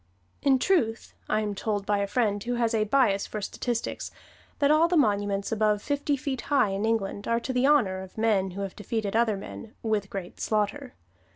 In truth, I am told by a friend who has a bias for statistics, that all monuments above fifty feet high in England are to the honor of men who have defeated other men "with great slaughter."